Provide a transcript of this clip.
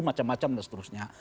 macam macam dan seterusnya